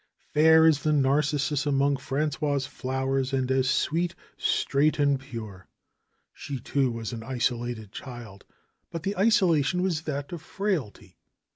Fair as the narcissus among Frangois' flowers and as sweet, straight and pure. She, too, was an isolated child, but the isolation was that of frailty.